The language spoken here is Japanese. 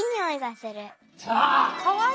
かわいい！